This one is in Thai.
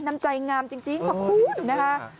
น้ำใจงามจริงขอบคุณนะคะ